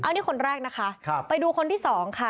อันนี้คนแรกนะคะไปดูคนที่สองค่ะ